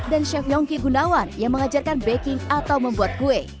dan chef yongki gunawan yang mengajarkan baking atau membuat kue